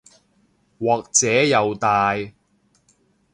或者又大